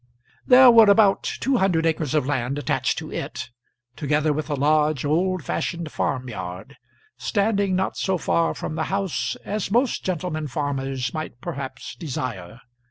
There were about two hundred acres of land attached to it, together with a large old fashioned farm yard, standing not so far from the house as most gentlemen farmers might perhaps desire.